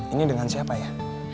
ini dengan siapa ya